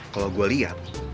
kalau gue liat